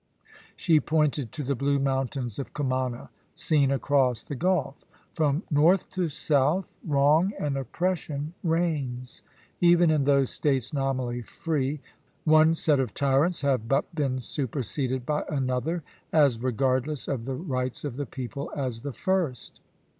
She pointed to the blue mountains of Cumana seen across the gulf. "From north to south wrong and oppression reigns. Even in those states nominally free, one set of tyrants have but been superseded by another as regardless of the rights of the people as the first."